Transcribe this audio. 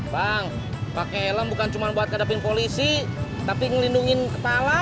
bang pakai helm bukan cuma buat hadapin polisi tapi ngelindungin kepala